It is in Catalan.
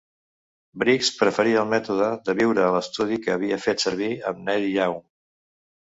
Briggs preferia el mètode de "viure a l'estudi" que havia fet servir amb Neil Young.